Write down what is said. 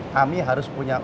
kami harus punya uang